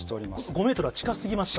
５メートルは近すぎますか？